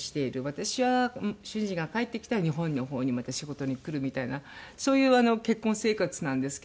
私は主人が帰ってきたら日本の方にまた仕事に来るみたいなそういう結婚生活なんですけど。